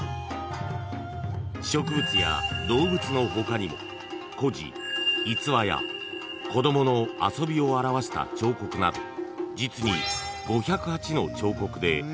［植物や動物の他にも故事逸話や子供の遊びを表した彫刻など実に５０８の彫刻で飾られています］